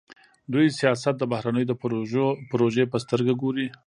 دوی سیاست د بهرنیو د پروژې په سترګه ګوري.